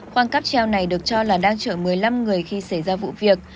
khoang cáp treo này được cho là đang chở một mươi năm người khi xảy ra vụ việc